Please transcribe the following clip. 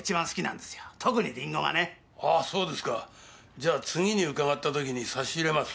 じゃあ次に伺った時に差し入れます。